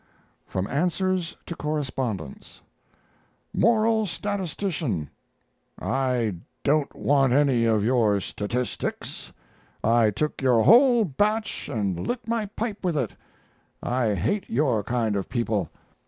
FROM ANSWERS TO CORRESPONDENTS "MORAL STATISTICIAN" I don't want any of your statistics. I took your whole batch and lit my pipe with it. I hate your kind of people.